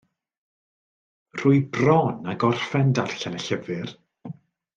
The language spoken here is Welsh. Rwy bron â gorffen darllen y llyfr.